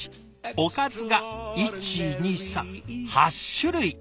おかずが１２３８種類！